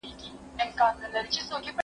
دا سفر له هغه اسانه دی!